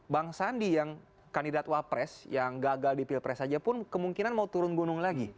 bang sandi yang kandidat wapres yang gagal di pilpres saja pun kemungkinan mau turun gunung lagi